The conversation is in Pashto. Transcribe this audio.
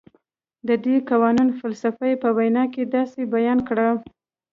د دې قانون فلسفه یې په وینا کې داسې بیان کړه.